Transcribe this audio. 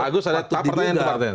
agus ada pertanyaan pertanyaan